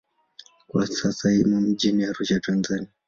Kwa sasa imo mjini Arusha, Tanzania.